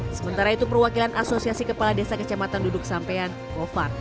sementara itu perwakilan asosiasi kepala desa kecamatan duduk sampean govar